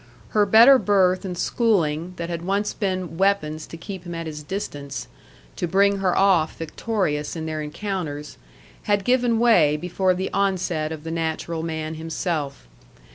Her better birth and schooling that had once been weapons to keep him at his distance, or bring her off victorious in their encounters, had given way before the onset of the natural man himself.